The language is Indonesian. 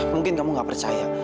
mungkin kamu gak percaya